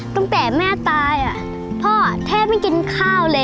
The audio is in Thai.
ตั้งแต่แม่ตายพ่อแทบไม่กินข้าวเลย